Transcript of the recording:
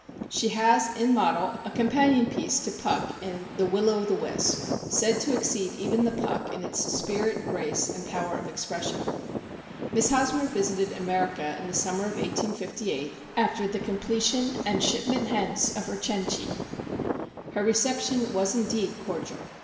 She has, in model, a companion piece to " Puck" in the " "Will o ? the Wisp" вҖ" said to exceed even the Puck in its spirit, grace, and power of expression, вҖһ. Miss Hosmer visited America in the summer of 1858, after the completion and shipment "hence of her "Cenci." Her re ception was, indeed, cordial.